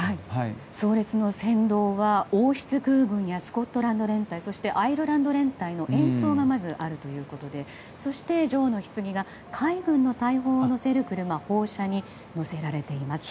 葬列の先導は王室空軍やスコットランド連隊アイルランド連隊の演奏がまずあるということでそして女王のひつぎが海軍の大砲を載せる砲車に乗せられています。